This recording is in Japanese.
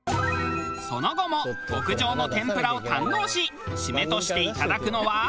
その後も極上の天ぷらを堪能し締めとしていただくのは。